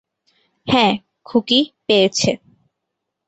হ্যাঁ, খুকী, পেয়েছে।